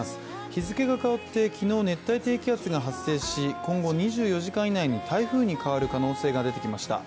日付が変わって昨日、熱帯低気圧が発生し今後２４時間以内に台風に変わる可能性が出てきました。